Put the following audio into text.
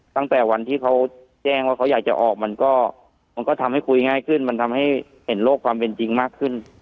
ตั้งแต่วันที่เขาแจ้งว่าเขาอยากจะออกมันก็มันก็ทำให้คุยง่ายขึ้นมันทำให้เห็นโลกความเป็นจริงมากขึ้น